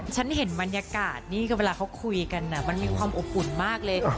ฉันเห็นบรรยากาศนี่ก็เวลาเขาคุยกันมันมีความอบอุ่นมากเลย